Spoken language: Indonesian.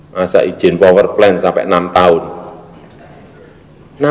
masa izin power plant sampai enam tahun